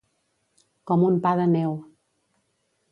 Com un pa de neu.